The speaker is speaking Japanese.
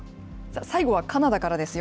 最後はカナダからですよ。